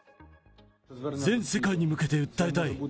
全世界に向けて訴えたい。